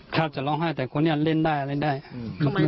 ครับจะร้องไห้แต่คนนี้เล่นได้ไม่ร้องไห้